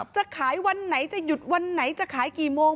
จะขายวันไหนจะหยุดวันไหนจะขายกี่โมง